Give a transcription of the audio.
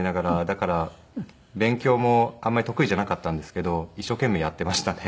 だから勉強もあんまり得意じゃなかったんですけど一生懸命やっていましたね。